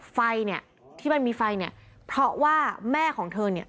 ไฟเนี่ยที่มันมีไฟเนี่ยเพราะว่าแม่ของเธอเนี่ย